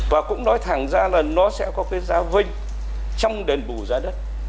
và cũng nói thẳng ra là nó sẽ có cái giá vinh trong đền bù giá đất